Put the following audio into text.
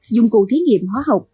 dung cưu thí nghiệm hóa học